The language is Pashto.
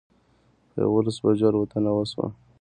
په یوولسو بجو الوتنه وشوه.